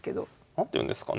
何ていうんですかね。